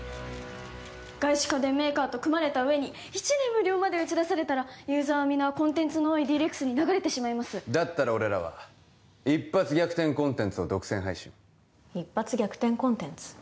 外資家電メーカーと組まれた上に１年無料まで打ち出されたらユーザーは皆コンテンツの多いＤ−ＲＥＸに流れてしまいますだったら俺らは一発逆転コンテンツを独占配信一発逆転コンテンツ？